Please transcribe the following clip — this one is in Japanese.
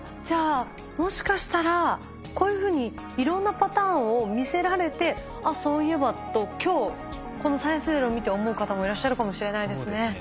じゃあもしかしたらこういうふうにいろんなパターンを見せられて「あっそういえば」と今日この「サイエンスＺＥＲＯ」を見て思う方もいらっしゃるかもしれないですね。